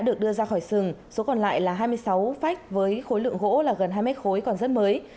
được đưa ra khỏi sừng số còn lại là hai mươi sáu phách với khối lượng gỗ là gần hai mét khối còn rất mới